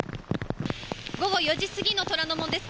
午後４時過ぎの虎ノ門です。